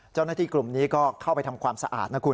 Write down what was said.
เจ้าหน้าที่กลุ่มนี้ก็เข้าไปทำความสะอาดนะคุณ